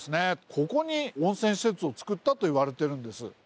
ここに温泉施設をつくったといわれてるんです。